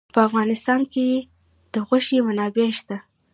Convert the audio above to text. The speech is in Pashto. په افغانستان کې د غوښې منابع شته.